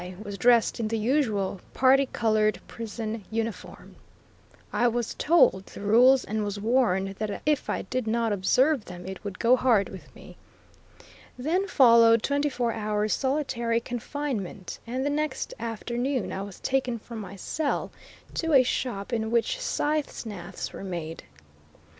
was dressed in the usual particolored prison uniform. I was told the rules, and was warned that if I did not observe them it would go hard with me. Then followed twenty four hours solitary confinement, and the next afternoon I was taken from my cell to a shop in which scythe snaths were made.